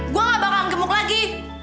gue gak bakal ngemuk lagi